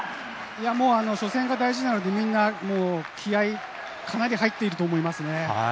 いやもう、初戦が大事なので、みんな、もう気合い、かなり入っていると思いますね。